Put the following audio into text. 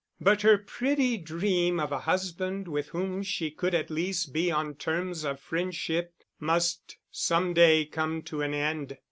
But her pretty dream of a husband with whom she could at least be on terms of friendship must some day come to an end